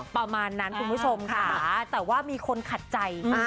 ประมาณนั้นคุณผู้ชมค่ะแต่ว่ามีคนขัดใจ